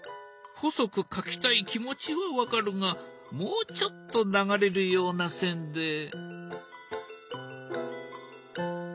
細く描きたい気持ちは分かるがもうちょっと流れるような線で。